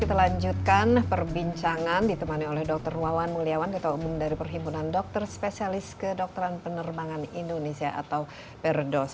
kita lanjutkan perbincangan ditemani oleh dr wawan mulyawan ketua umum dari perhimpunan dokter spesialis kedokteran penerbangan indonesia atau perdos